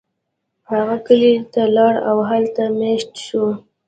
هغه کلی ته لاړ او هلته میشت شو.